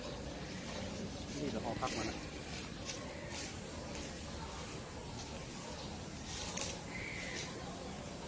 หวังว่าไม่ได้ประโยชน์หวังว่าไม่ได้อ่อขอร้องว่าไม่ได้อ่ะโอ้ขอบคุณมากครับ